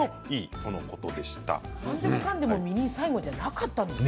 何でもかんでも最後ではなかったんですね。